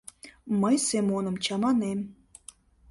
Мый Семоным чаманем